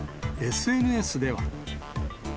ＳＮＳでは。